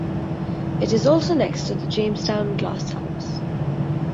It is also next to the Jamestown Glasshouse.